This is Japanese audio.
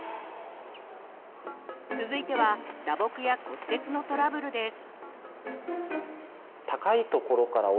続いては打撲や骨折のトラブルです。